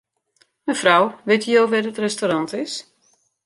Mefrou, witte jo wêr't it restaurant is?